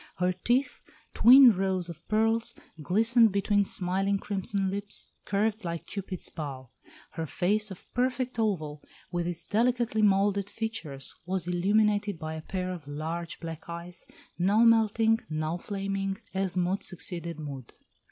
Her teeth, twin rows of pearls, glistened between smiling crimson lips, curved like Cupid's bow. Her face of perfect oval, with its delicately moulded features, was illuminated by a pair of large black eyes, now melting, now flaming, as mood succeeded mood.